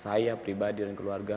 saya pribadi dan keluarga